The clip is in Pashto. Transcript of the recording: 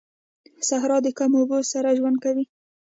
صحرا د کمو اوبو سره ژوند کوي